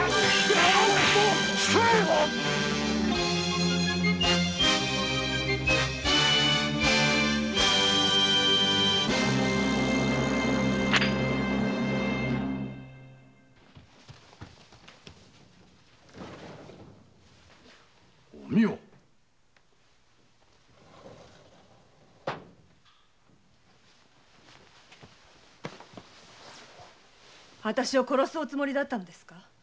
あたしを殺すおつもりだったんですか！